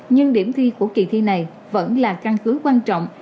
nhưng điểm thi của kỳ thi này vẫn là căn cứ quan trọng